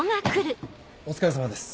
お疲れさまです。